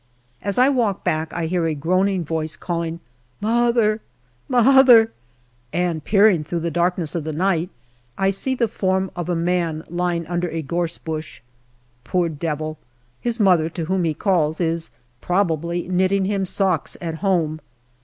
As I walk back, I hear a groaning voice calling " Mother, mother !" and peering through the darkness of the night, I see the form of a man lying under a gorse bush. Poor devil ! His mother, to whom he calls, is probably knitting him socks at home.